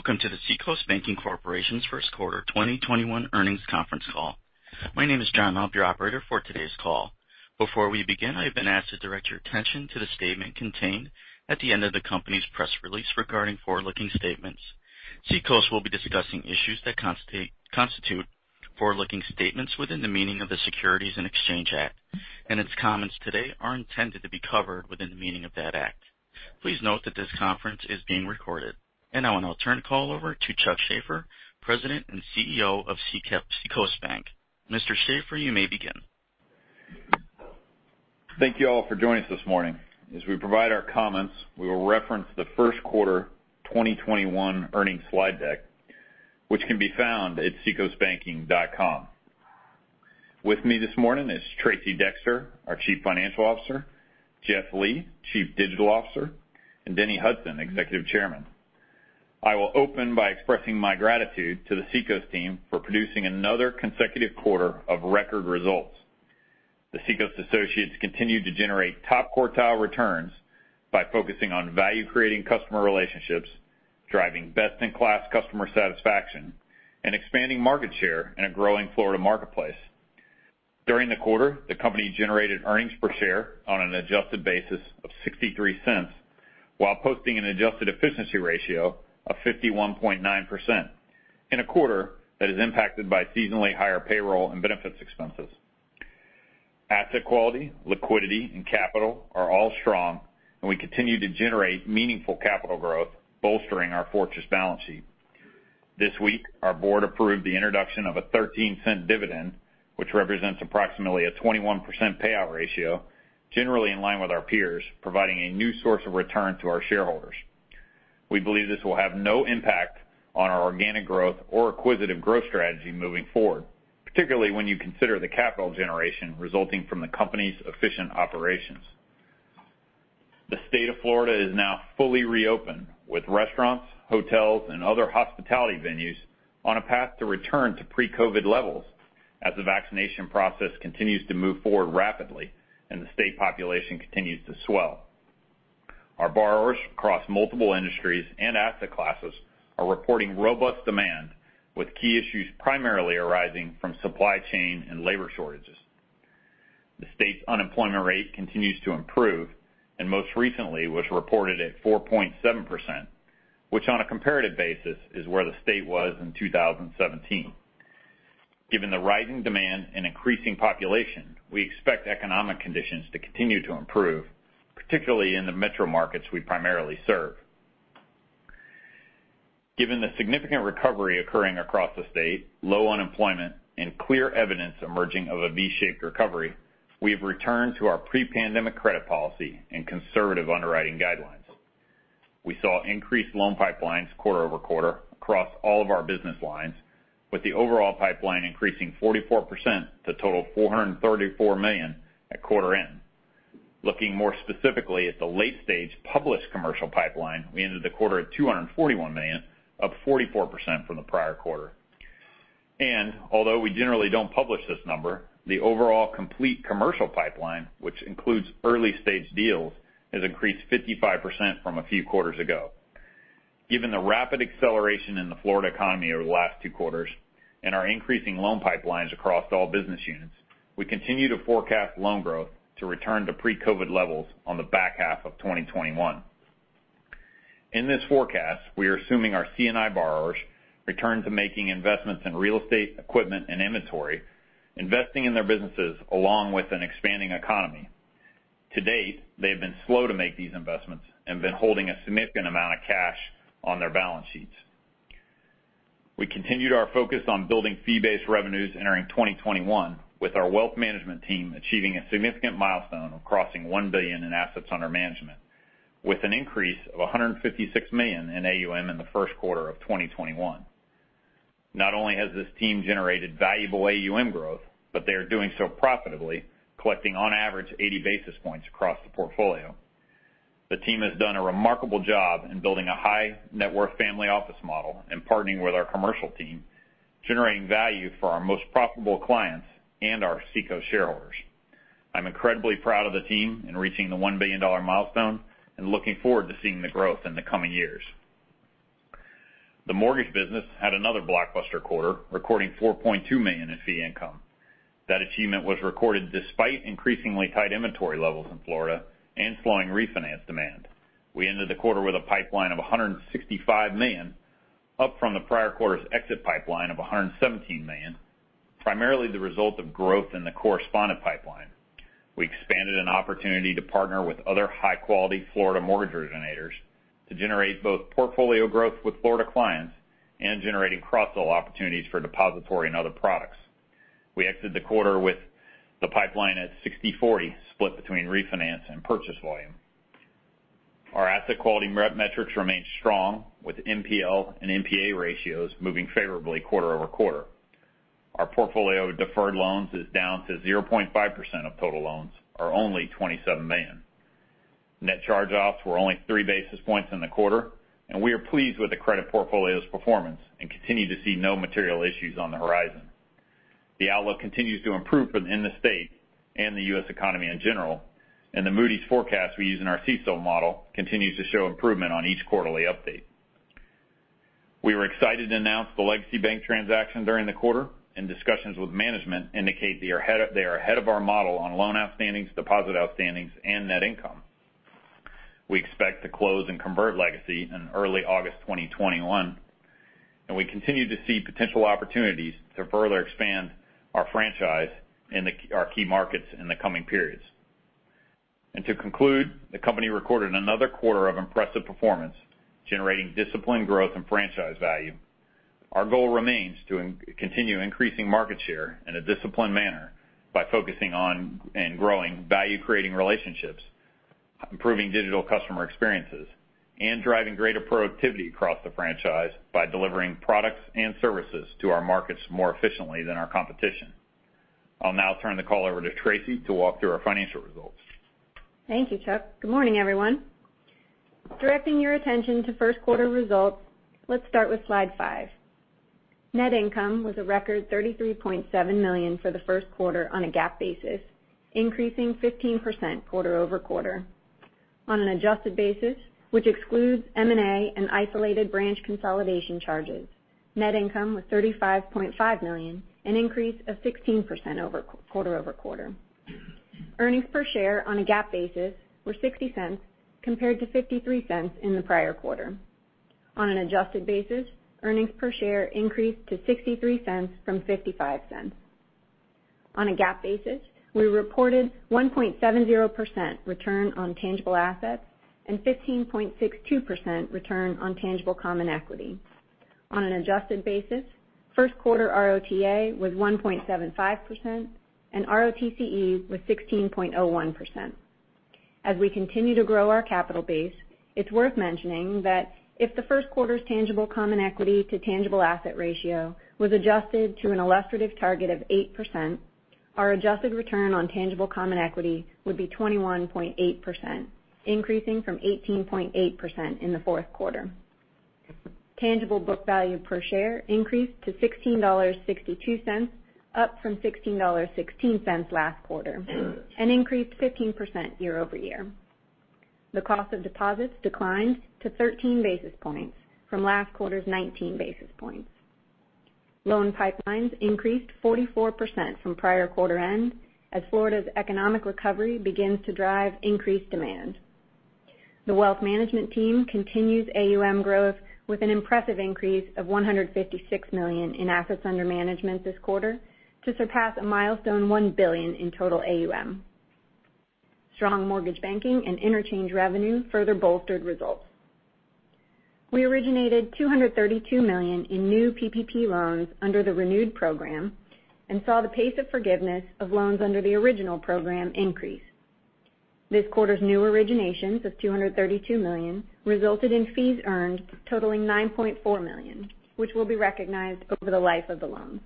Welcome to the Seacoast Banking Corporation's first quarter 2021 earnings conference call. My name is John, I'll be your operator for today's call. Before we begin, I have been asked to direct your attention to the statement contained at the end of the company's press release regarding forward-looking statements. Seacoast will be discussing issues that constitute forward-looking statements within the meaning of the Securities and Exchange Act. Its comments today are intended to be covered within the meaning of that act. Please note that this conference is being recorded. Now I'll now turn the call over to Chuck Shaffer, President and CEO of Seacoast Bank. Mr. Shaffer, you may begin. Thank you all for joining us this morning. As we provide our comments, we will reference the first quarter 2021 earnings slide deck, which can be found at seacoastbanking.com. With me this morning is Tracey Dexter, our Chief Financial Officer, Jeff Lee, Chief Digital Officer, and Dennis Hudson, Executive Chairman. I will open by expressing my gratitude to the Seacoast team for producing another consecutive quarter of record results. The Seacoast associates continue to generate top quartile returns by focusing on value-creating customer relationships, driving best-in-class customer satisfaction, and expanding market share in a growing Florida marketplace. During the quarter, the company generated earnings per share on an adjusted basis of $0.63 while posting an adjusted efficiency ratio of 51.9% in a quarter that is impacted by seasonally higher payroll and benefits expenses. Asset quality, liquidity, and capital are all strong, and we continue to generate meaningful capital growth, bolstering our fortress balance sheet. This week, our board approved the introduction of a $0.13 dividend, which represents approximately a 21% payout ratio, generally in line with our peers, providing a new source of return to our shareholders. We believe this will have no impact on our organic growth or acquisitive growth strategy moving forward, particularly when you consider the capital generation resulting from the company's efficient operations. The state of Florida is now fully reopened, with restaurants, hotels, and other hospitality venues on a path to return to pre-COVID levels as the vaccination process continues to move forward rapidly and the state population continues to swell. Our borrowers across multiple industries and asset classes are reporting robust demand, with key issues primarily arising from supply chain and labor shortages. The state's unemployment rate continues to improve, and most recently was reported at 4.7%, which on a comparative basis is where the state was in 2017. Given the rising demand and increasing population, we expect economic conditions to continue to improve, particularly in the metro markets we primarily serve. Given the significant recovery occurring across the state, low unemployment, and clear evidence emerging of a V-shaped recovery, we have returned to our pre-pandemic credit policy and conservative underwriting guidelines. We saw increased loan pipelines quarter-over-quarter across all of our business lines, with the overall pipeline increasing 44% to total $434 million at quarter end. Looking more specifically at the late-stage published commercial pipeline, we ended the quarter at $241 million, up 44% from the prior quarter. Although we generally don't publish this number, the overall complete commercial pipeline, which includes early-stage deals, has increased 55% from a few quarters ago. Given the rapid acceleration in the Florida economy over the last two quarters and our increasing loan pipelines across all business units, we continue to forecast loan growth to return to pre-COVID levels on the back half of 2021. In this forecast, we are assuming our C&I borrowers return to making investments in real estate, equipment, and inventory, investing in their businesses along with an expanding economy. To date, they have been slow to make these investments and been holding a significant amount of cash on their balance sheets. We continued our focus on building fee-based revenues entering 2021 with our wealth management team achieving a significant milestone of crossing $1 billion in assets under management, with an increase of $156 million in AUM in the first quarter of 2021. Not only has this team generated valuable AUM growth, but they are doing so profitably, collecting on average 80 basis points across the portfolio. The team has done a remarkable job in building a high net worth family office model and partnering with our commercial team, generating value for our most profitable clients and our Seacoast shareholders. I'm incredibly proud of the team in reaching the $1 billion milestone and looking forward to seeing the growth in the coming years. The mortgage business had another blockbuster quarter, recording $4.2 million in fee income. That achievement was recorded despite increasingly tight inventory levels in Florida and slowing refinance demand. We ended the quarter with a pipeline of $165 million, up from the prior quarter's exit pipeline of $117 million, primarily the result of growth in the correspondent pipeline. We expanded an opportunity to partner with other high-quality Florida mortgage originators to generate both portfolio growth with Florida clients and generating cross-sell opportunities for depository and other products. We exited the quarter with the pipeline at 60/40 split between refinance and purchase volume. Our asset quality metrics remain strong, with NPL and NPA ratios moving favorably quarter-over-quarter. Our portfolio of deferred loans is down to 0.5% of total loans, or only $27 million. Net charge-offs were only three basis points in the quarter. We are pleased with the credit portfolio's performance and continue to see no material issues on the horizon. The outlook continues to improve in the state and the U.S. economy in general. The Moody's forecast we use in our CECL model continues to show improvement on each quarterly update. We were excited to announce the Legacy Bank transaction during the quarter. Discussions with management indicate they are ahead of our model on loan outstandings, deposit outstandings, and net income. We expect to close and convert Legacy in early August 2021. We continue to see potential opportunities to further expand our franchise in our key markets in the coming periods. To conclude, the company recorded another quarter of impressive performance, generating disciplined growth and franchise value. Our goal remains to continue increasing market share in a disciplined manner by focusing on and growing value-creating relationships, improving digital customer experiences, and driving greater productivity across the franchise by delivering products and services to our markets more efficiently than our competition. I'll now turn the call over to Tracey to walk through our financial results. Thank you, Chuck. Good morning, everyone. Directing your attention to first quarter results, let's start with slide five. Net income was a record $33.7 million for the first quarter on a GAAP basis, increasing 15% quarter-over-quarter. On an adjusted basis, which excludes M&A and isolated branch consolidation charges, net income was $35.5 million, an increase of 16% quarter-over-quarter. Earnings per share on a GAAP basis were $0.60 compared to $0.53 in the prior quarter. On an adjusted basis, earnings per share increased to $0.63 from $0.55. On a GAAP basis, we reported 1.70% return on tangible assets and 15.62% return on tangible common equity. On an adjusted basis, first quarter ROTA was 1.75% and ROTCE was 16.01%. As we continue to grow our capital base, it's worth mentioning that if the first quarter's tangible common equity to tangible asset ratio was adjusted to an illustrative target of 8%, our adjusted return on tangible common equity would be 21.8%, increasing from 18.8% in the fourth quarter. Tangible book value per share increased to $16.62, up from $16.16 last quarter, and increased 15% year-over-year. The cost of deposits declined to 13 basis points from last quarter's 19 basis points. Loan pipelines increased 44% from prior quarter end as Florida's economic recovery begins to drive increased demand. The wealth management team continues AUM growth with an impressive increase of $156 million in assets under management this quarter to surpass a milestone $1 billion in total AUM. Strong mortgage banking and interchange revenue further bolstered results. We originated $232 million in new PPP loans under the renewed program and saw the pace of forgiveness of loans under the original program increase. This quarter's new originations of $232 million resulted in fees earned totaling $9.4 million, which will be recognized over the life of the loans.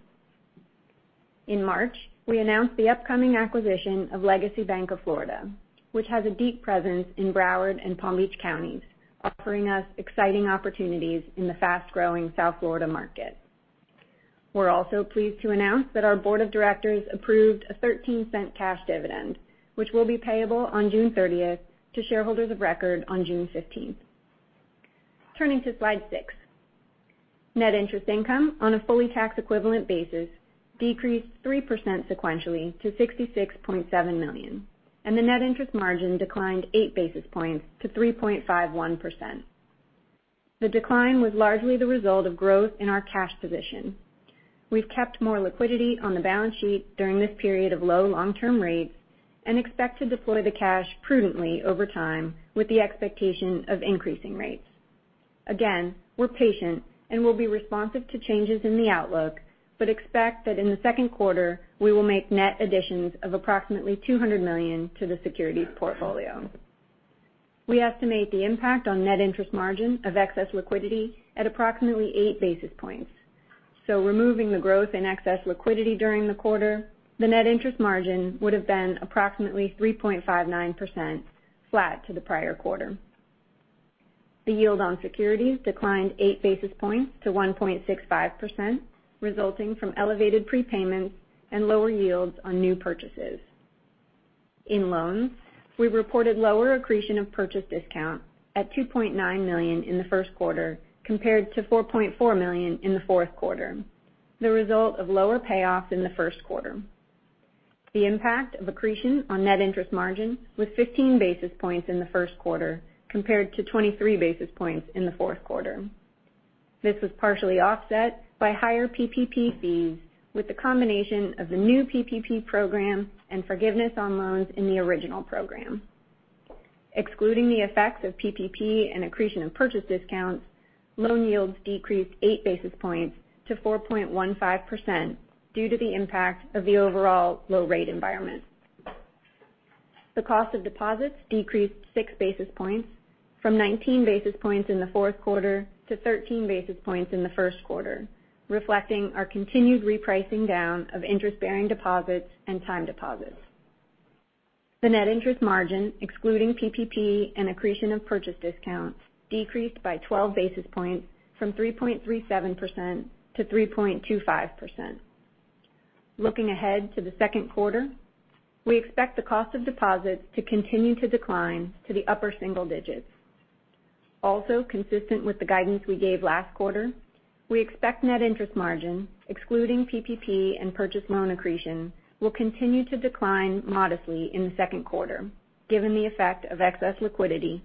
In March, we announced the upcoming acquisition of Legacy Bank of Florida, which has a deep presence in Broward and Palm Beach counties, offering us exciting opportunities in the fast-growing South Florida market. We're also pleased to announce that our board of directors approved a $0.13 cash dividend, which will be payable on June 30th to shareholders of record on June 15th. Turning to slide six. Net interest income on a fully tax-equivalent basis decreased 3% sequentially to $66.7 million, and the net interest margin declined eight basis points to 3.51%. The decline was largely the result of growth in our cash position. We've kept more liquidity on the balance sheet during this period of low long-term rates and expect to deploy the cash prudently over time with the expectation of increasing rates. We're patient and will be responsive to changes in the outlook, but expect that in the second quarter, we will make net additions of approximately $200 million to the securities portfolio. We estimate the impact on net interest margin of excess liquidity at approximately eight basis points. Removing the growth in excess liquidity during the quarter, the net interest margin would've been approximately 3.59%, flat to the prior quarter. The yield on securities declined eight basis points to 1.65%, resulting from elevated prepayments and lower yields on new purchases. In loans, we reported lower accretion of purchase discount at $2.9 million in the first quarter compared to $4.4 million in the fourth quarter, the result of lower payoffs in the first quarter. The impact of accretion on net interest margin was 15 basis points in the first quarter compared to 23 basis points in the fourth quarter. This was partially offset by higher PPP fees with the combination of the new PPP program and forgiveness on loans in the original program. Excluding the effects of PPP and accretion of purchase discounts, loan yields decreased eight basis points to 4.15% due to the impact of the overall low rate environment. The cost of deposits decreased six basis points from 19 basis points in the fourth quarter to 13 basis points in the first quarter, reflecting our continued repricing down of interest-bearing deposits and time deposits. The net interest margin, excluding PPP and accretion of purchase discounts, decreased by 12 basis points from 3.37% to 3.25%. Looking ahead to the second quarter, we expect the cost of deposits to continue to decline to the upper single digits. Consistent with the guidance we gave last quarter, we expect net interest margin, excluding PPP and purchase loan accretion, will continue to decline modestly in the second quarter given the effect of excess liquidity,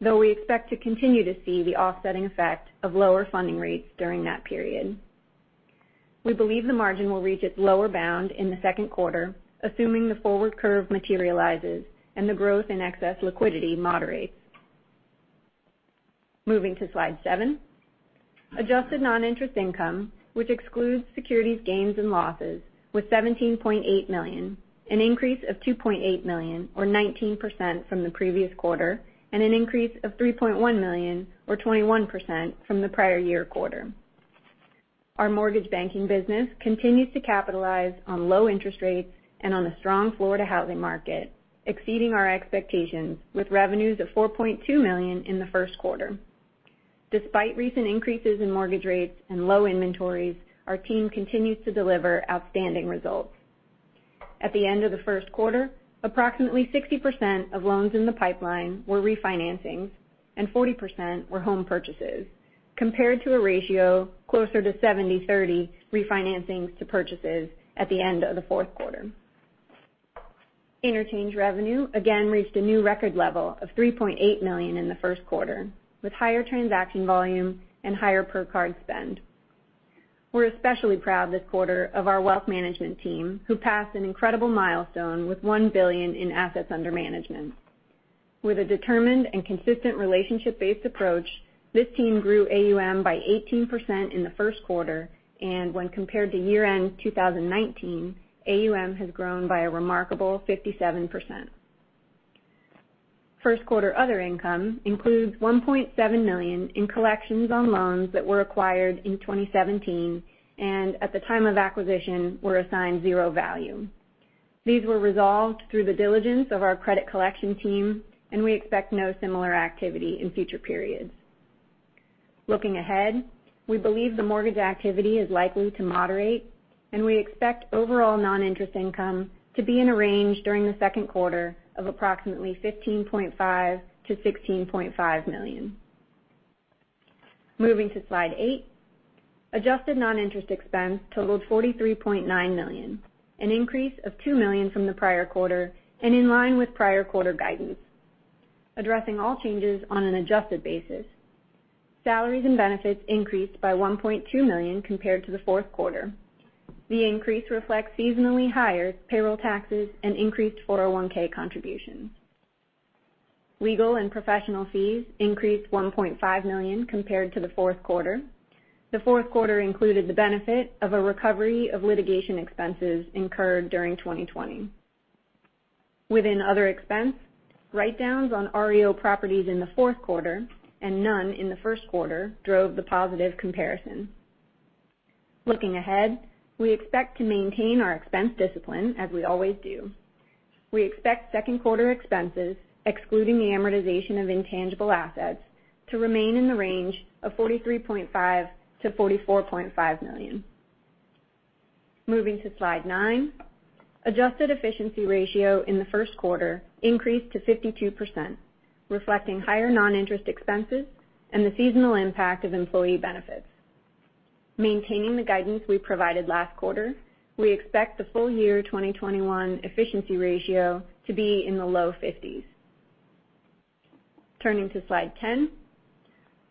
though we expect to continue to see the offsetting effect of lower funding rates during that period. We believe the margin will reach its lower bound in the second quarter, assuming the forward curve materializes and the growth in excess liquidity moderates. Moving to slide seven. Adjusted non-interest income, which excludes securities gains and losses, was $17.8 million, an increase of $2.8 million or 19% from the previous quarter. An increase of $3.1 million or 21% from the prior year quarter. Our mortgage banking business continues to capitalize on low interest rates and on the strong Florida housing market, exceeding our expectations with revenues of $4.2 million in the first quarter. Despite recent increases in mortgage rates and low inventories, our team continues to deliver outstanding results. At the end of the first quarter, approximately 60% of loans in the pipeline were refinancing and 40% were home purchases, compared to a ratio closer to 70/30 refinancing to purchases at the end of the fourth quarter. Interchange revenue again reached a new record level of $3.8 million in the first quarter, with higher transaction volume and higher per card spend. We're especially proud this quarter of our wealth management team, who passed an incredible milestone with $1 billion in assets under management. With a determined and consistent relationship-based approach, this team grew AUM by 18% in the first quarter, and when compared to year-end 2019, AUM has grown by a remarkable 57%. First quarter other income includes $1.7 million in collections on loans that were acquired in 2017 and at the time of acquisition, were assigned zero value. These were resolved through the diligence of our credit collection team, and we expect no similar activity in future periods. Looking ahead, we believe the mortgage activity is likely to moderate, and we expect overall non-interest income to be in a range during the second quarter of approximately $15.5 million to $16.5 million. Moving to slide eight. Adjusted non-interest expense totaled $43.9 million, an increase of $2 million from the prior quarter, and in line with prior quarter guidance. Addressing all changes on an adjusted basis, salaries and benefits increased by $1.2 million compared to the fourth quarter. The increase reflects seasonally higher payroll taxes and increased 401 contributions. Legal and professional fees increased $1.5 million compared to the fourth quarter. The fourth quarter included the benefit of a recovery of litigation expenses incurred during 2020. Within other expense, write-downs on REO properties in the fourth quarter and none in the first quarter drove the positive comparison. Looking ahead, we expect to maintain our expense discipline as we always do. We expect second quarter expenses, excluding the amortization of intangible assets, to remain in the range of $43.5 million-$44.5 million. Moving to slide nine. Adjusted efficiency ratio in the first quarter increased to 52%, reflecting higher non-interest expenses and the seasonal impact of employee benefits. Maintaining the guidance we provided last quarter, we expect the full year 2021 efficiency ratio to be in the low 50s. Turning to slide 10.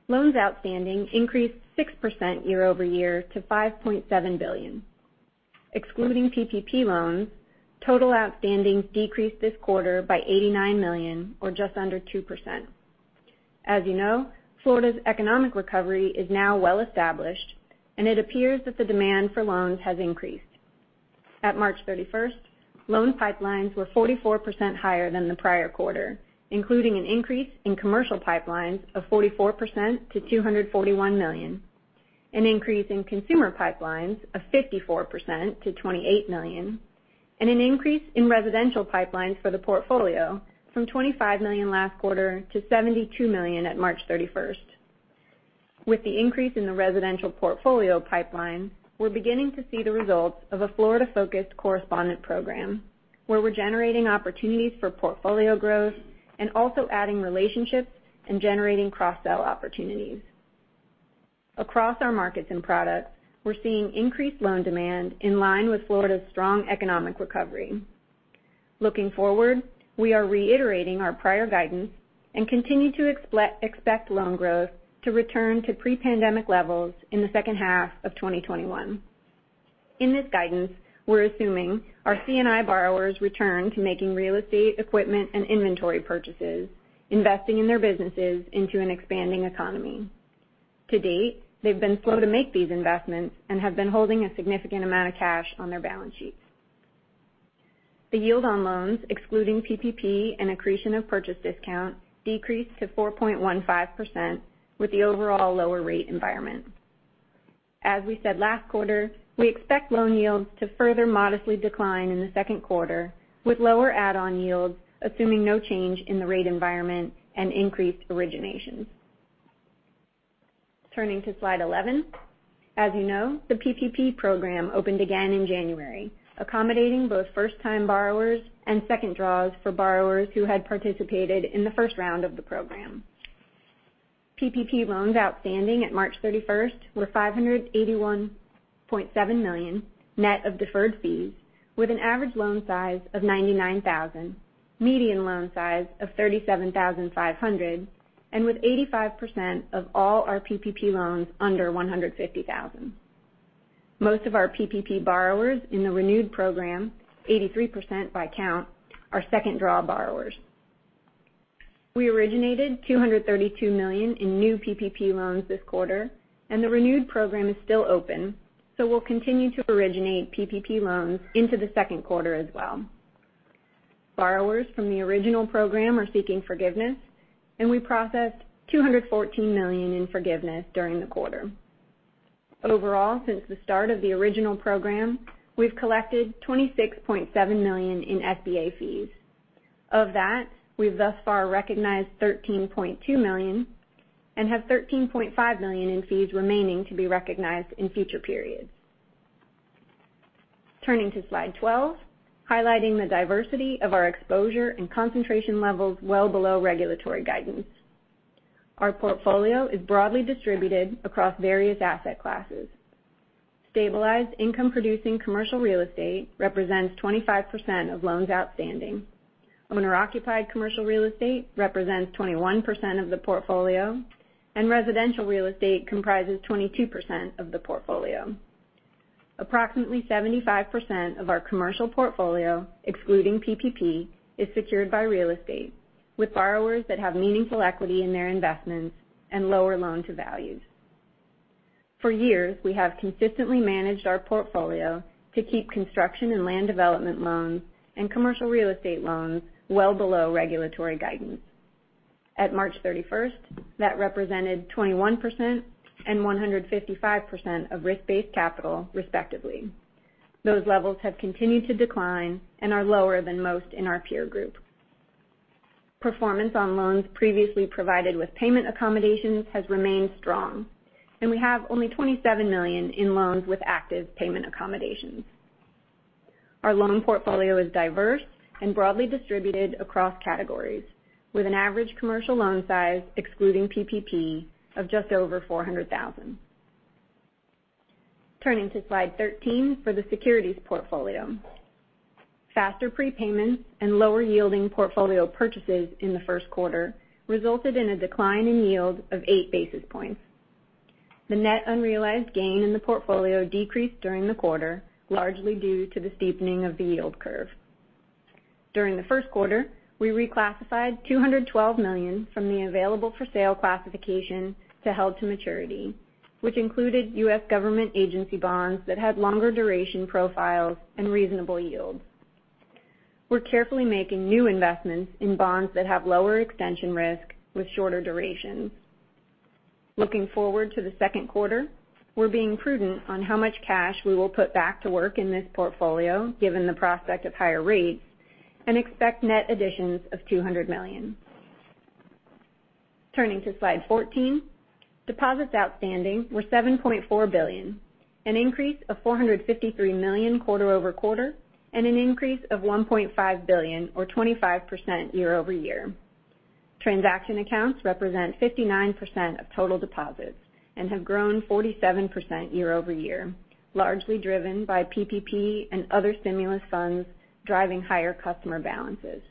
Loans outstanding increased 6% year-over-year to $5.7 billion. Excluding PPP loans, total outstanding decreased this quarter by $89 million or just under 2%. As you know, Florida's economic recovery is now well established, and it appears that the demand for loans has increased. At March 31st, loan pipelines were 44% higher than the prior quarter, including an increase in commercial pipelines of 44% to $241 million, an increase in consumer pipelines of 54% to $28 million, and an increase in residential pipelines for the portfolio from $25 million last quarter to $72 million at March 31st. With the increase in the residential portfolio pipeline, we're beginning to see the results of a Florida-focused correspondent program, where we're generating opportunities for portfolio growth and also adding relationships and generating cross-sell opportunities. Across our markets and products, we're seeing increased loan demand in line with Florida's strong economic recovery. Looking forward, we are reiterating our prior guidance and continue to expect loan growth to return to pre-pandemic levels in the second half of 2021. In this guidance, we're assuming our C&I borrowers return to making real estate, equipment, and inventory purchases, investing in their businesses into an expanding economy. To date, they've been slow to make these investments and have been holding a significant amount of cash on their balance sheets. The yield on loans, excluding PPP and accretion of purchase discount, decreased to 4.15% with the overall lower rate environment. As we said last quarter, we expect loan yields to further modestly decline in the second quarter with lower add-on yields, assuming no change in the rate environment and increased originations. Turning to slide 11. As you know, the PPP program opened again in January, accommodating both first-time borrowers and second draws for borrowers who had participated in the first round of the program. PPP loans outstanding at March 31st were $581.7 million, net of deferred fees, with an average loan size of $99,000, median loan size of $37,500, and with 85% of all our PPP loans under $150,000. Most of our PPP borrowers in the renewed program, 83% by count, are second-draw borrowers. We originated $232 million in new PPP loans this quarter. The renewed program is still open, we'll continue to originate PPP loans into the second quarter as well. Borrowers from the original program are seeking forgiveness. We processed $214 million in forgiveness during the quarter. Overall, since the start of the original program, we've collected $26.7 million in SBA fees. Of that, we've thus far recognized $13.2 million. We have $13.5 million in fees remaining to be recognized in future periods. Turning to slide 12, highlighting the diversity of our exposure and concentration levels well below regulatory guidance. Our portfolio is broadly distributed across various asset classes. Stabilized income-producing commercial real estate represents 25% of loans outstanding. Owner-occupied commercial real estate represents 21% of the portfolio, and residential real estate comprises 22% of the portfolio. Approximately 75% of our commercial portfolio, excluding PPP, is secured by real estate, with borrowers that have meaningful equity in their investments and lower loan-to-values. For years, we have consistently managed our portfolio to keep construction and land development loans and commercial real estate loans well below regulatory guidance. At March 31st, that represented 21% and 155% of risk-based capital, respectively. Those levels have continued to decline and are lower than most in our peer group. Performance on loans previously provided with payment accommodations has remained strong, and we have only $27 million in loans with active payment accommodations. Our loan portfolio is diverse and broadly distributed across categories, with an average commercial loan size, excluding PPP, of just over $400,000. Turning to slide 13 for the securities portfolio. Faster prepayments and lower-yielding portfolio purchases in the first quarter resulted in a decline in yield of eight basis points. The net unrealized gain in the portfolio decreased during the quarter, largely due to the steepening of the yield curve. During the first quarter, we reclassified $212 million from the available-for-sale classification to held-to-maturity, which included U.S. government agency bonds that had longer duration profiles and reasonable yields. We're carefully making new investments in bonds that have lower extension risk with shorter durations. Looking forward to the second quarter, we're being prudent on how much cash we will put back to work in this portfolio, given the prospect of higher rates, expect net additions of $200 million. Turning to slide 14. Deposits outstanding were $7.4 billion, an increase of $453 million quarter-over-quarter and an increase of $1.5 billion or 25% year-over-year. Transaction accounts represent 59% of total deposits and have grown 47% year-over-year, largely driven by PPP and other stimulus funds driving higher customer balances.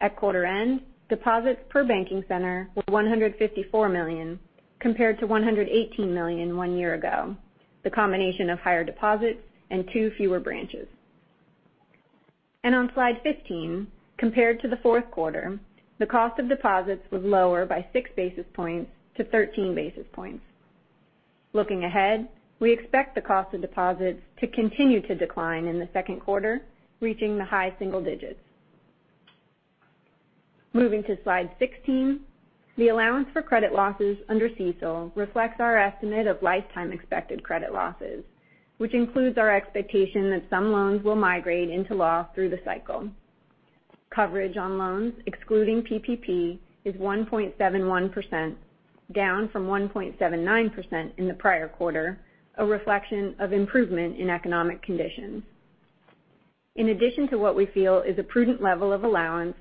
At quarter-end, deposits per banking center were $154 million compared to $118 million one year ago, the combination of higher deposits and two fewer branches. On slide 15, compared to the fourth quarter, the cost of deposits was lower by six basis points to 13 basis points. Looking ahead, we expect the cost of deposits to continue to decline in the second quarter, reaching the high single digits. Moving to slide 16. The allowance for credit losses under CECL reflects our estimate of lifetime expected credit losses, which includes our expectation that some loans will migrate into loss through the cycle. Coverage on loans, excluding PPP, is 1.71%, down from 1.79% in the prior quarter, a reflection of improvement in economic conditions. In addition to what we feel is a prudent level of allowance,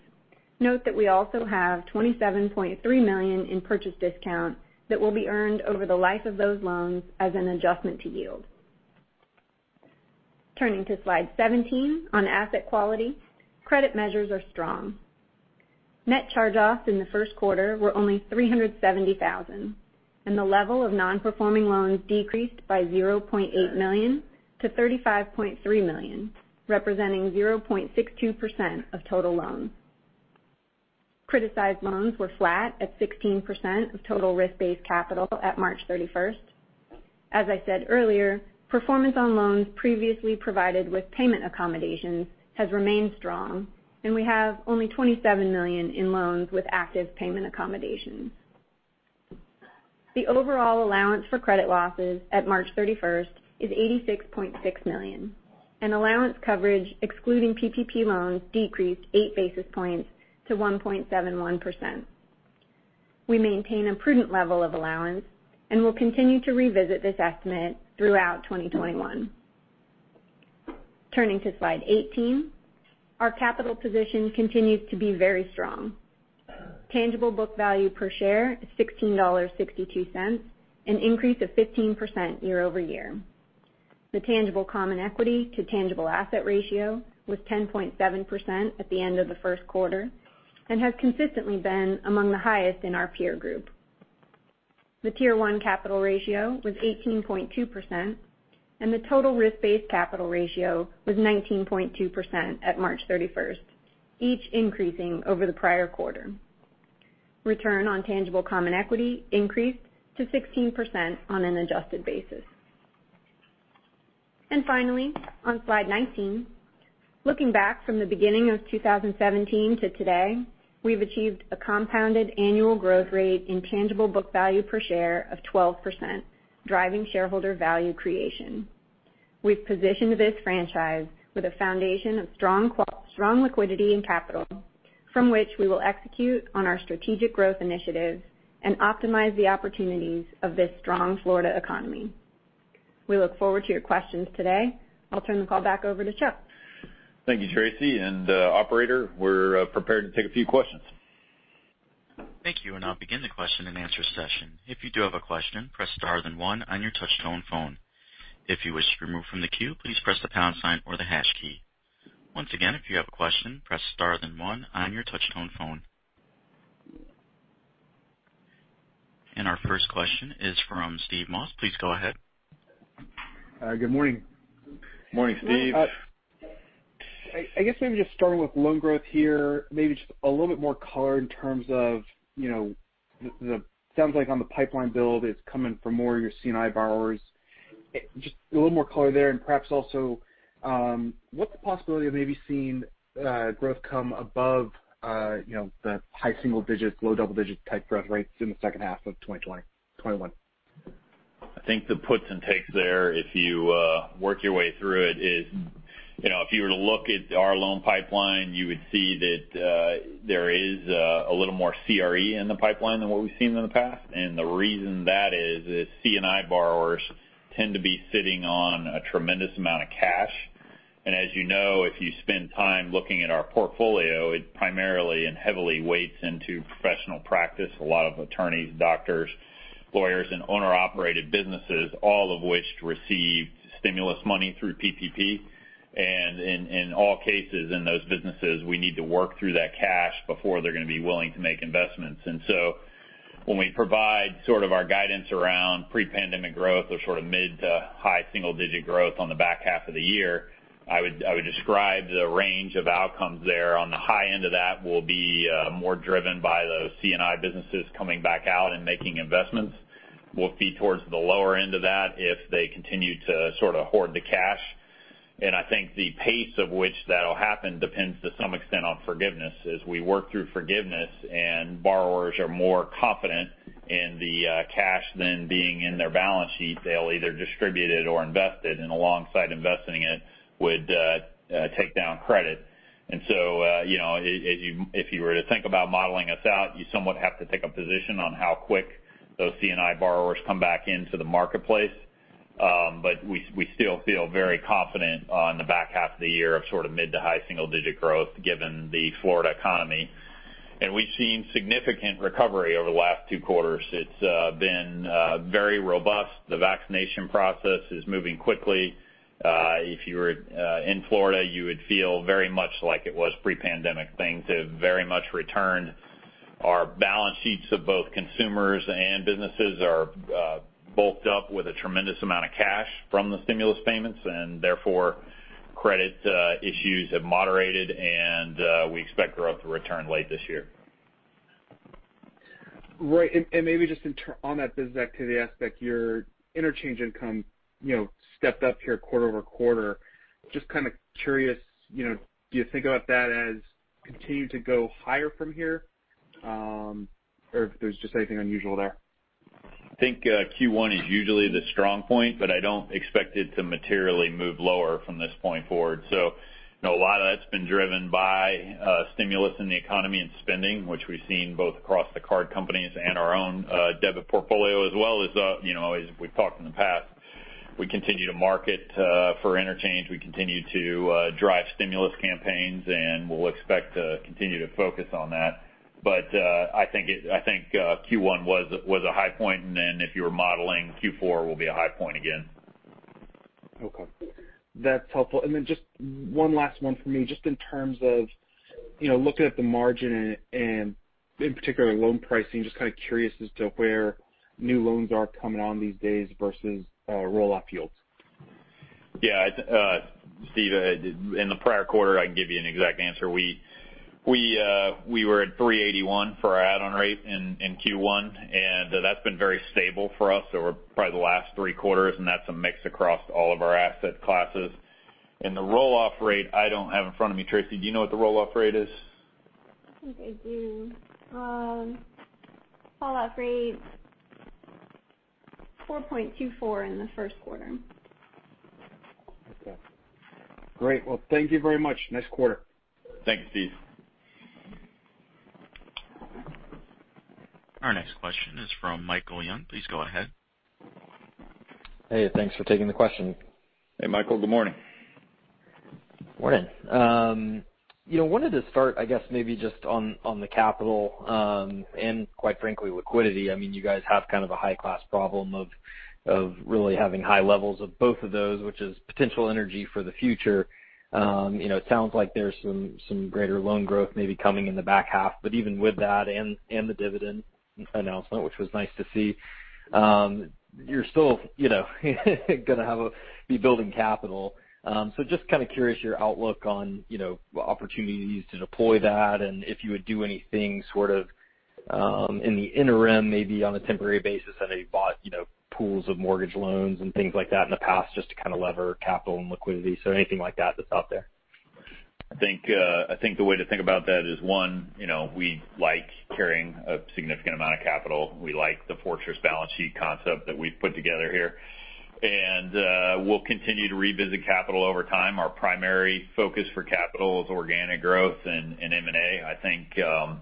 note that we also have $27.3 million in purchase discount that will be earned over the life of those loans as an adjustment to yield. Turning to slide 17 on asset quality, credit measures are strong. Net charge-offs in the first quarter were only $370,000, and the level of non-performing loans decreased by $0.8 million to $35.3 million, representing 0.62% of total loans. Criticized loans were flat at 16% of total risk-based capital at March 31st. As I said earlier, performance on loans previously provided with payment accommodations has remained strong, and we have only $27 million in loans with active payment accommodations. The overall allowance for credit losses at March 31st is $86.6 million, and allowance coverage, excluding PPP loans, decreased eight basis points to 1.71%. We maintain a prudent level of allowance and will continue to revisit this estimate throughout 2021. Turning to slide 18. Our capital position continues to be very strong. Tangible book value per share is $16.62, an increase of 15% year-over-year. The tangible common equity to tangible asset ratio was 10.7% at the end of the first quarter and has consistently been among the highest in our peer group. The Tier 1 capital ratio was 18.2%, and the total risk-based capital ratio was 19.2% at March 31st, each increasing over the prior quarter. Return on tangible common equity increased to 16% on an adjusted basis. Finally, on slide 19, looking back from the beginning of 2017 to today, we've achieved a compounded annual growth rate in tangible book value per share of 12%, driving shareholder value creation. We've positioned this franchise with a foundation of strong liquidity and capital from which we will execute on our strategic growth initiatives and optimize the opportunities of this strong Florida economy. We look forward to your questions today. I'll turn the call back over to Chuck. Thank you, Tracey. Operator, we're prepared to take a few questions. Thank you. We now begin the question and answer session. If you do have a question, press star then one on your touch-tone phone. If you wish to remove from the queue, please press the pound sign or the hash key. Once again, if you have a question, press star then one on your touch-tone phone. Our first question is from Stephen Scouten. Please go ahead. Good morning. Morning, Steve. I guess maybe just starting with loan growth here, maybe just a little bit more color in terms of sounds like on the pipeline build, it's coming from more of your C&I borrowers. Just a little more color there and perhaps also, what's the possibility of maybe seeing growth come above the high single digits, low double-digit type growth rates in the second half of 2021? I think the puts and takes there, if you work your way through it is, if you were to look at our loan pipeline, you would see that there is a little more CRE in the pipeline than what we've seen in the past. The reason that is C&I borrowers tend to be sitting on a tremendous amount of cash. As you know, if you spend time looking at our portfolio, it primarily and heavily weights into professional practice, a lot of attorneys, doctors, lawyers, and owner-operated businesses, all of which received stimulus money through PPP. In all cases in those businesses, we need to work through that cash before they're going to be willing to make investments. When we provide sort of our guidance around pre-pandemic growth or sort of mid to high single-digit growth on the back half of the year, I would describe the range of outcomes there. On the high end of that will be more driven by those C&I businesses coming back out and making investments, will be towards the lower end of that if they continue to sort of hoard the cash. I think the pace of which that'll happen depends to some extent on forgiveness. As we work through forgiveness and borrowers are more confident in the cash than being in their balance sheet, they'll either distribute it or invest it, and alongside investing it would take down credit. If you were to think about modeling us out, you somewhat have to take a position on how quick those C&I borrowers come back into the marketplace. But we still feel very confident on the back half of the year of sort of mid to high single digit growth given the Florida economy. We've seen significant recovery over the last two quarters. It's been very robust. The vaccination process is moving quickly. If you were in Florida, you would feel very much like it was pre-pandemic. Things have very much returned. Our balance sheets of both consumers and businesses are bulked up with a tremendous amount of cash from the stimulus payments. Therefore credit issues have moderated, and we expect growth to return late this year. Right. Maybe just on that business activity aspect, your interchange income stepped up here quarter-over-quarter. Just kind of curious, do you think about that as continue to go higher from here or if there's just anything unusual there? I think Q1 is usually the strong point, I don't expect it to materially move lower from this point forward. A lot of that's been driven by stimulus in the economy and spending, which we've seen both across the card companies and our own debit portfolio as well as we've talked in the past, we continue to market for interchange. We continue to drive stimulus campaigns, and we'll expect to continue to focus on that. I think Q1 was a high point, and then if you were modeling Q4 will be a high point again. Okay. That's helpful. Just one last one for me, just in terms of looking at the margin and in particular loan pricing, just kind of curious as to where new loans are coming on these days versus roll-off yields. Yeah. Steve, in the prior quarter, I can give you an exact answer. We were at 381 for our add-on rate in Q1, and that's been very stable for us over probably the last three quarters, and that's a mix across all of our asset classes. The roll-off rate, I don't have in front of me. Tracey, do you know what the roll-off rate is? I think I do. Fallout rate 4.24% in the first quarter. Okay. Great. Well, thank you very much. Nice quarter. Thanks, Steve. Our next question is from Michael Young. Please go ahead. Hey, thanks for taking the question. Hey, Michael. Good morning. Morning. Wanted to start, I guess maybe just on the capital, and quite frankly, liquidity. You guys have kind of a high-class problem of really having high levels of both of those, which is potential energy for the future. It sounds like there's some greater loan growth maybe coming in the back half, but even with that and the dividend announcement, which was nice to see, you're still going to be building capital. Just kind of curious your outlook on opportunities to deploy that and if you would do anything sort of, in the interim, maybe on a temporary basis, I know you bought pools of mortgage loans and things like that in the past just to kind of lever capital and liquidity. Anything like that's out there? I think the way to think about that is one, we like carrying a significant amount of capital. We like the fortress balance sheet concept that we've put together here. We'll continue to revisit capital over time. Our primary focus for capital is organic growth and M&A. I think, yeah,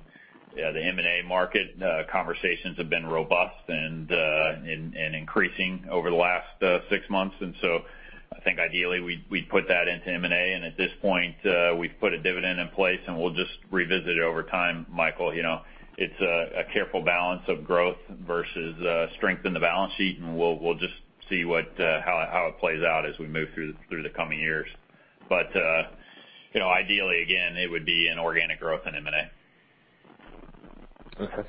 the M&A market conversations have been robust and increasing over the last six months, and so I think ideally, we'd put that into M&A. At this point, we've put a dividend in place, and we'll just revisit it over time, Michael. It's a careful balance of growth versus strength in the balance sheet, and we'll just see how it plays out as we move through the coming years. Ideally, again, it would be in organic growth and M&A. Okay.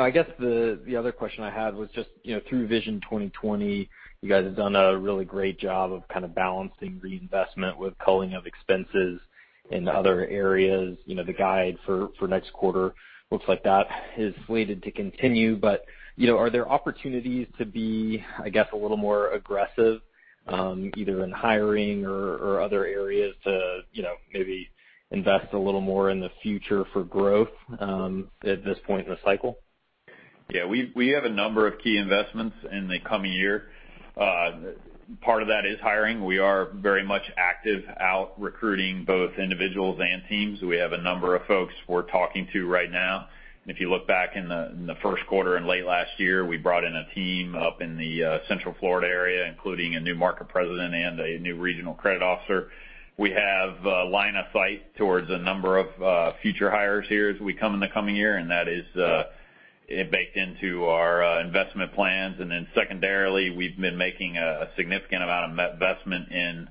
I guess the other question I had was just through Vision 2020, you guys have done a really great job of kind of balancing reinvestment with culling of expenses in other areas. The guide for next quarter looks like that is slated to continue. Are there opportunities to be, I guess, a little more aggressive, either in hiring or other areas to maybe invest a little more in the future for growth, at this point in the cycle? Yeah. We have a number of key investments in the coming year. Part of that is hiring. We are very much active out recruiting both individuals and teams. We have a number of folks we're talking to right now, and if you look back in the first quarter and late last year, we brought in a team up in the Central Florida area, including a new market president and a new regional credit officer. We have a line of sight towards a number of future hires here as we come in the coming year, and that is baked into our investment plans. Secondarily, we've been making a significant amount of investment in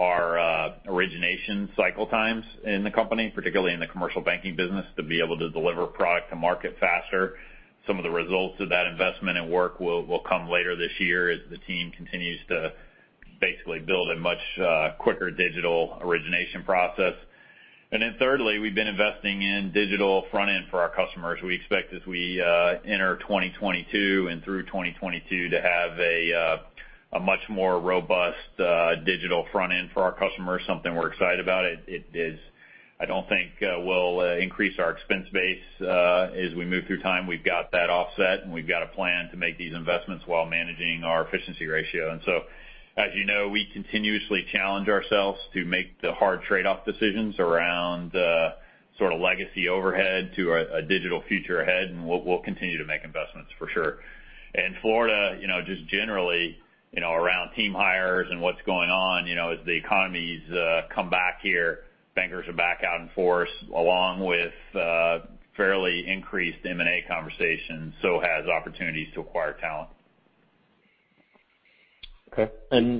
our origination cycle times in the company, particularly in the commercial banking business, to be able to deliver product to market faster. Some of the results of that investment and work will come later this year as the team continues to basically build a much quicker digital origination process. Then thirdly, we've been investing in digital front end for our customers. We expect as we enter 2022 and through 2022 to have a much more robust digital front end for our customers, something we're excited about. I don't think we'll increase our expense base as we move through time. We've got that offset, and we've got a plan to make these investments while managing our efficiency ratio. So as you know, we continuously challenge ourselves to make the hard trade-off decisions around sort of legacy overhead to a digital future ahead, and we'll continue to make investments for sure. Florida, just generally, around team hires and what's going on as the economy's come back here, bankers are back out in force along with fairly increased M&A conversations, so has opportunities to acquire talent. Okay.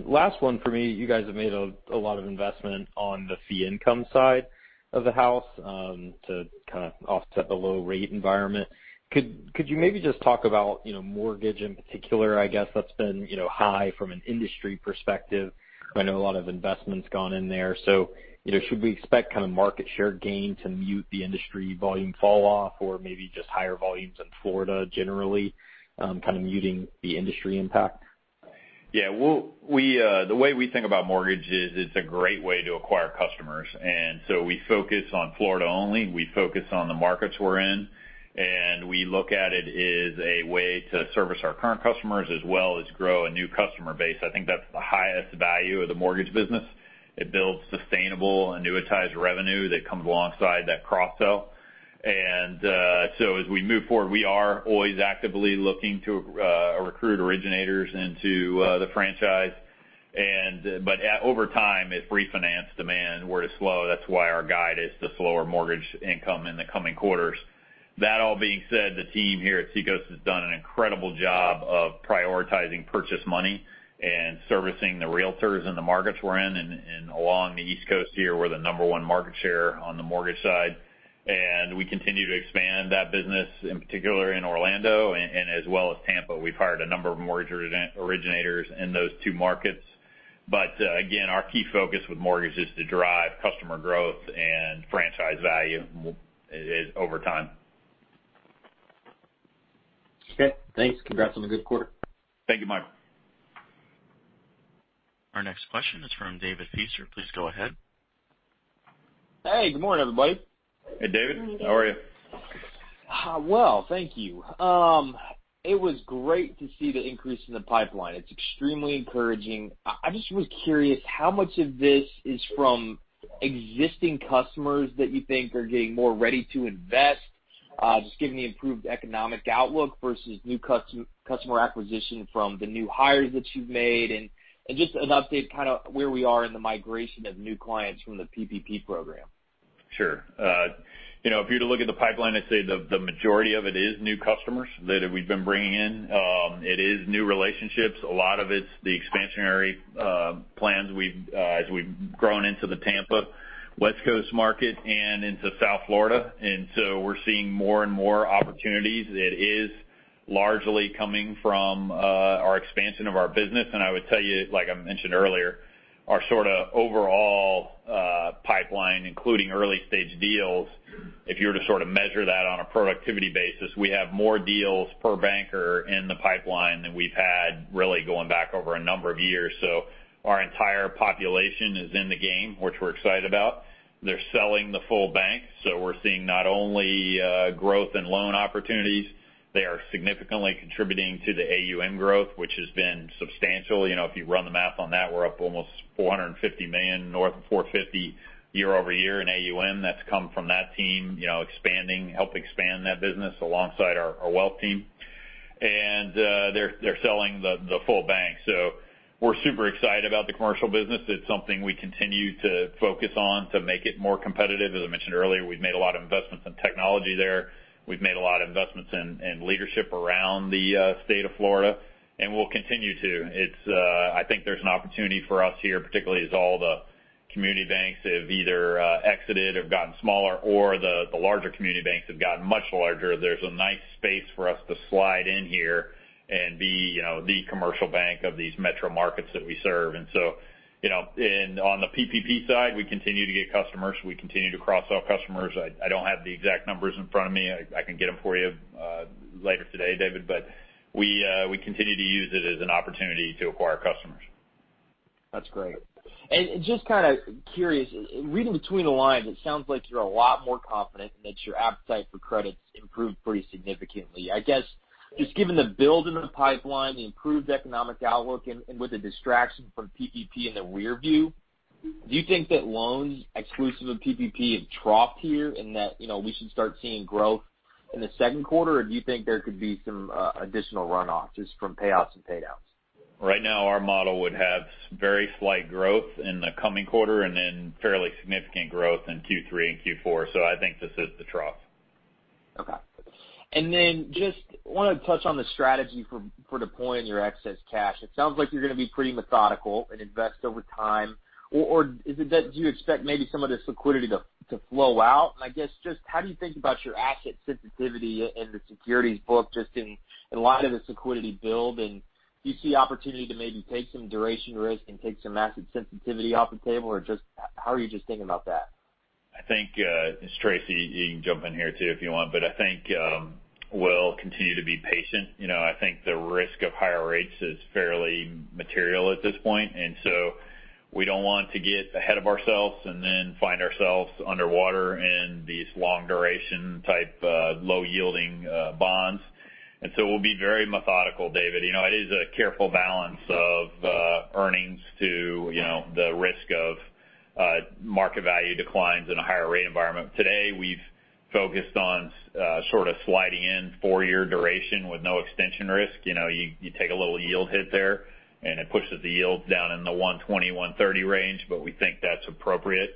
Last one for me, you guys have made a lot of investment on the fee income side of the house, to kind of offset the low rate environment. Could you maybe just talk about mortgage in particular, I guess that's been high from an industry perspective. I know a lot of investment's gone in there. Should we expect kind of market share gain to mute the industry volume fall off, or maybe just higher volumes in Florida generally, kind of muting the industry impact? Yeah. The way we think about mortgage is it's a great way to acquire customers, and so we focus on Florida only. We focus on the markets we're in, and we look at it as a way to service our current customers as well as grow a new customer base. I think that's the highest value of the mortgage business. It builds sustainable annuitized revenue that comes alongside that cross-sell. As we move forward, we are always actively looking to recruit originators into the franchise. Over time, if refinance demand were to slow, that's why our guide is to slower mortgage income in the coming quarters. That all being said, the team here at Seacoast has done an incredible job of prioritizing purchase money and servicing the realtors in the markets we're in and along the East Coast here, we're the number one market share on the mortgage side. We continue to expand that business, in particular in Orlando and as well as Tampa. We've hired a number of mortgage originators in those two markets. Again, our key focus with mortgage is to drive customer growth and franchise value over time. Okay, thanks. Congrats on the good quarter. Thank you, Michael. Our next question is from David Feaster. Please go ahead. Hey, good morning, everybody. Hey, David. How are you? Well, thank you. It was great to see the increase in the pipeline. It's extremely encouraging. I just was curious, how much of this is from existing customers that you think are getting more ready to invest? Just given the improved economic outlook versus new customer acquisition from the new hires that you've made and just an update kind of where we are in the migration of new clients from the PPP program. Sure. If you were to look at the pipeline, I'd say the majority of it is new customers that we've been bringing in. It is new relationships. A lot of it's the expansionary plans as we've grown into the Tampa, West Coast market and into South Florida. We're seeing more and more opportunities. It is largely coming from our expansion of our business. I would tell you, like I mentioned earlier, our sort of overall pipeline, including early-stage deals, if you were to sort of measure that on a productivity basis, we have more deals per banker in the pipeline than we've had really going back over a number of years. Our entire population is in the game, which we're excited about. They're selling the full bank, so we're seeing not only growth in loan opportunities, they are significantly contributing to the AUM growth, which has been substantial. If you run the math on that, we're up almost $450 million, north of $450 year-over-year in AUM. That's come from that team helping expand that business alongside our wealth team. They're selling the full bank. We're super excited about the commercial business. It's something we continue to focus on to make it more competitive. As I mentioned earlier, we've made a lot of investments in technology there. We've made a lot of investments in leadership around the state of Florida, and we'll continue to. I think there's an opportunity for us here, particularly as all the community banks have either exited, have gotten smaller, or the larger community banks have gotten much larger. There's a nice space for us to slide in here and be the commercial bank of these metro markets that we serve. On the PPP side, we continue to get customers. We continue to cross-sell customers. I don't have the exact numbers in front of me. I can get them for you later today, David, but we continue to use it as an opportunity to acquire customers. That's great. Just kind of curious, reading between the lines, it sounds like you're a lot more confident and that your appetite for credit's improved pretty significantly. I guess, just given the build in the pipeline, the improved economic outlook, and with the distraction from PPP in the rear view, do you think that loans exclusive of PPP have troughed here and that we should start seeing growth in the second quarter? Or do you think there could be some additional runoff just from payoffs and pay downs? Right now, our model would have very slight growth in the coming quarter and then fairly significant growth in Q3 and Q4. I think this is the trough. Okay. Just want to touch on the strategy for deploying your excess cash. It sounds like you're going to be pretty methodical and invest over time. Do you expect maybe some of this liquidity to flow out? I guess just how do you think about your asset sensitivity in the securities book just in light of the liquidity build? Do you see opportunity to maybe take some duration risk and take some asset sensitivity off the table? Just how are you just thinking about that? I think, and Tracey, you can jump in here, too, if you want, but I think we'll continue to be patient. I think the risk of higher rates is fairly material at this point, we don't want to get ahead of ourselves and then find ourselves underwater in these long duration type, low yielding bonds. We'll be very methodical, David. It is a careful balance of earnings to the risk of market value declines in a higher rate environment. Today, we've focused on sort of sliding in four-year duration with no extension risk. You take a little yield hit there, it pushes the yields down in the 120, 130 range, we think that's appropriate.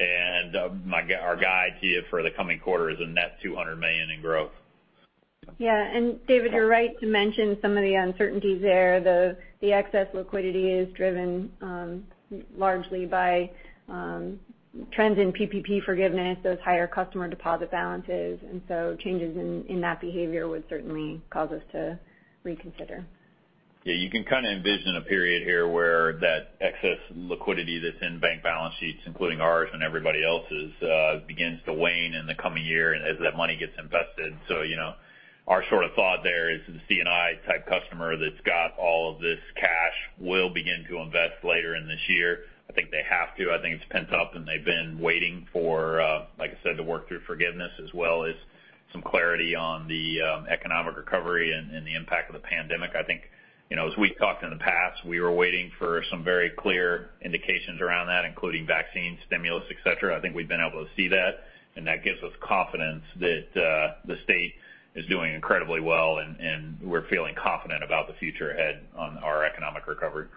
Our guide to you for the coming quarter is a net $200 million in growth. Yeah. David, you're right to mention some of the uncertainties there. The excess liquidity is driven largely by trends in PPP forgiveness, those higher customer deposit balances, and so changes in that behavior would certainly cause us to reconsider. Yeah, you can kind of envision a period here where that excess liquidity that's in bank balance sheets, including ours and everybody else's, begins to wane in the coming year and as that money gets invested. Our sort of thought there is the C&I type customer that's got all of this cash will begin to invest later in this year. I think they have to. I think it's pent up, and they've been waiting for, like I said, the work through forgiveness as well as some clarity on the economic recovery and the impact of the pandemic. I think, as we've talked in the past, we were waiting for some very clear indications around that, including vaccine stimulus, et cetera. I think we've been able to see that, and that gives us confidence that the state is doing incredibly well, and we're feeling confident about the future ahead on our economic recovery.